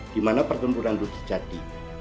di mana pertempuran itu terjadi